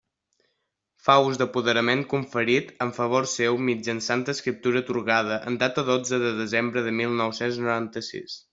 Fa ús d'apoderament conferit en favor seu mitjançant escriptura atorgada en data dotze de desembre de mil nou-cents noranta-sis.